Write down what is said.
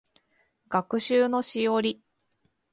学習のしおり